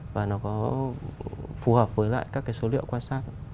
và nó có phù hợp với lại các cái số liệu quan sát